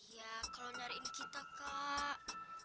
ya kalau nyariin kita kak